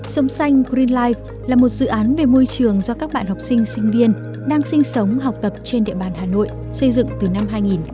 sống xanh green life là một dự án về môi trường do các bạn học sinh sinh viên đang sinh sống học tập trên địa bàn hà nội xây dựng từ năm hai nghìn một mươi